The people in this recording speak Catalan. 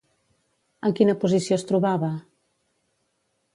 En quina posició es trobava?